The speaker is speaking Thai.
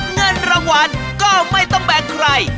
เงินรางวัลก็ไม่ต้องแบกใคร